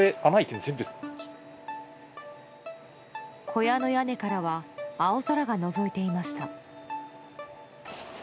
小屋の屋根からは青空がのぞいていました。